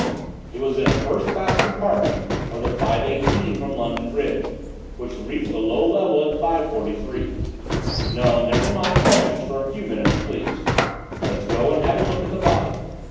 "It was in a first class compartment of the 5.18 from London Bridge, which reached the Low Level at 5.43. No, never mind questions for a few minutes, please. Let's go and have a look at the body.